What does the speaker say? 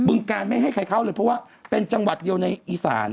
ึงการไม่ให้ใครเข้าเลยเพราะว่าเป็นจังหวัดเดียวในอีสาน